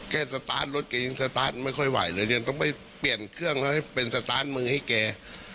แค่สตาร์ชรถแกยังสตาร์ชไม่ค่อยไหวยังต้องไปเปลี่ยนเครื่องเป็นสตาร์ชมือให้แก